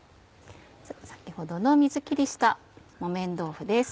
先ほどの水きりした木綿豆腐です。